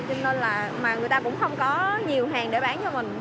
cho nên là người ta cũng không có nhiều hàng để bán cho mình